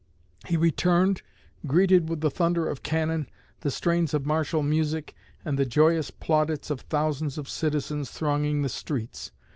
He returned, greeted with the thunder of cannon, the strains of martial music, and the joyous plaudits of thousands of citizens thronging the streets.